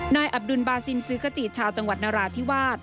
อับดุลบาซินซื้อขจีชาวจังหวัดนราธิวาส